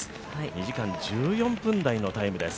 ２時間１４分台のタイムです。